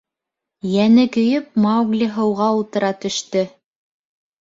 — Йәне көйөп, Маугли һыуға ултыра төштө.